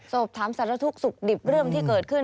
สอบถามสารทุกข์สุขดิบเรื่องที่เกิดขึ้น